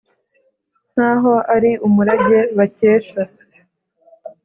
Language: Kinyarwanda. nk’aho ari umurage bakesha